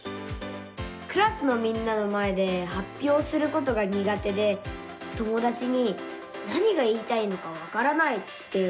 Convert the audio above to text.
クラスのみんなの前ではっぴょうすることがにが手で友だちに「何が言いたいのかわからない」って言われちゃうんです。